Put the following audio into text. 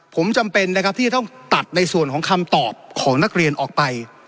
ผมจำเป็นนะครับที่จะต้องตัดในส่วนของคำตอบของนักเรียนออกไป